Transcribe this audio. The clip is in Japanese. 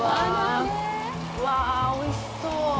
うわ、おいしそう。